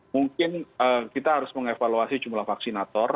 mungkin kita harus mengevaluasi jumlah vaksinator